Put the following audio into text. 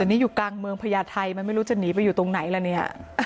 แต่นี่อยู่กลางเมืองพญาไทยมันไม่รู้จะหนีไปอยู่ตรงไหนล่ะเนี่ย